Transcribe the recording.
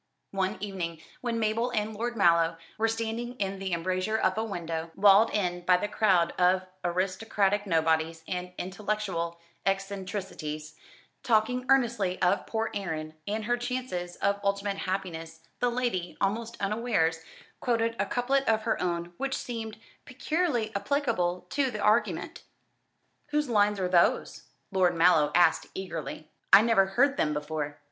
One evening, when Mabel and Lord Mallow were standing in the embrasure of a window, walled in by the crowd of aristocratic nobodies and intellectual eccentricities, talking earnestly of poor Erin and her chances of ultimate happiness, the lady, almost unawares, quoted a couplet of her own which seemed peculiarly applicable to the argument. "Whose lines are those?" Lord Mallow asked eagerly; "I never heard them before."